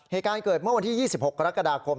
เหตุการณ์เกิดเมื่อวันที่๒๖กรกฎาคม